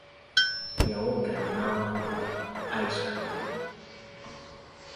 Yawoggana na wandula ice cream.